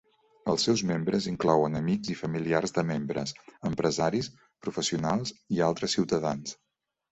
Els seus membres inclouen amics i familiars de membres, empresaris, professionals i altres ciutadans.